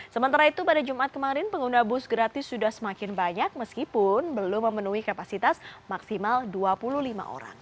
sementara itu pada jumat kemarin pengguna bus gratis sudah semakin banyak meskipun belum memenuhi kapasitas maksimal dua puluh lima orang